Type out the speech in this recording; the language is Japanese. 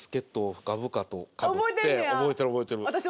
覚えてる覚えてる。